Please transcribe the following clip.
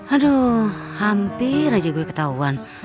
aduh hampir aja gue ketahuan